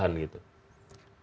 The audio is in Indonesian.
kenapa itu bisa berkesudahan